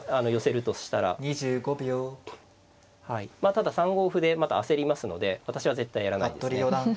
ただ３五歩でまた焦りますので私は絶対やらないですね。